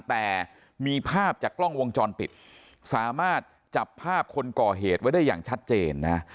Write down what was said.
แต่มีภาพจากกล้องวงจรปิดสามารถจับภาพคนก่อเหตุไว้ได้อย่างชัดเจนนะ